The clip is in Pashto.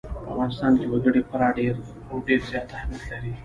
په افغانستان کې وګړي خورا ډېر او ډېر زیات اهمیت لري.